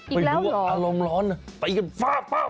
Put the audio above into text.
ห้ะรู้เหรออีกแล้วเหรอไปดูอารมณ์ร้อน